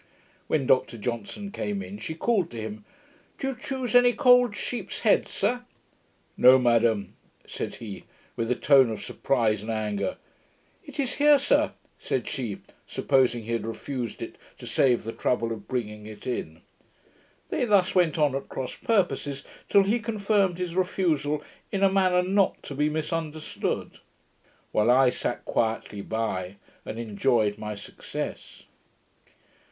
When Dr Johnson came in, she called to him, 'Do you choose any cold sheep's head, sir?' 'No, Madam,' said he, with a tone of surprise and anger. 'It is here, sir,' said she, supposing he had refused it to save the trouble of bringing it in. They thus went on at cross purposes, till he confirmed his refusal in a manner not to be misunderstood; while I sat quietly by, and enjoyed my success.